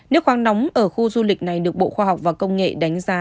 nước khoáng nóng ở khu du lịch này được bộ khoa học và công nghệ đánh giá